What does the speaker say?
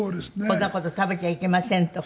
こんなもの食べちゃいけませんとか。